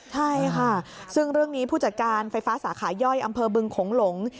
ใช่ค่ะซึ่งเรื่องนี้ผู้จัดการไฟฟ้าสาขาย่อยอำเภอบึงโขงหลง